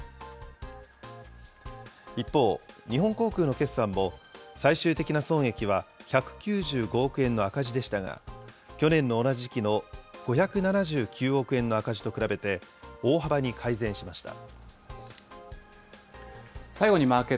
一方、日本航空の決算も最終的な損益は１９５億円の赤字でしたが、去年の同じ時期の５７９億円の赤字と比べて、大幅に改善しました。